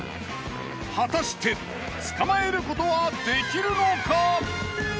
果たして捕まえることはできるのか？